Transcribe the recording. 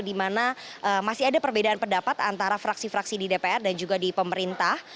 di mana masih ada perbedaan pendapat antara fraksi fraksi di dpr dan juga di pemerintah